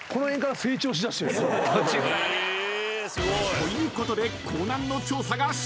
［ということで］